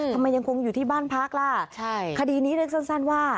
ยังคงอยู่ที่บ้านพักล่ะใช่คดีนี้เรียกสั้นว่า